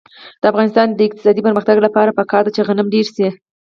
د افغانستان د اقتصادي پرمختګ لپاره پکار ده چې غنم ډېر شي.